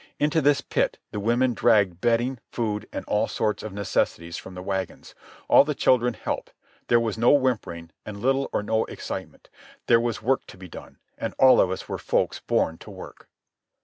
Into this pit the women dragged bedding, food, and all sorts of necessaries from the wagons. All the children helped. There was no whimpering, and little or no excitement. There was work to be done, and all of us were folks born to work.